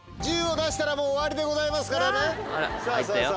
１０を出したらもう終わりでございますからね。